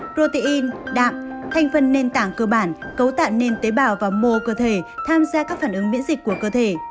protein đạm thành phần nền tảng cơ bản cấu tạo nền tế bào và mô cơ thể tham gia các phản ứng miễn dịch của cơ thể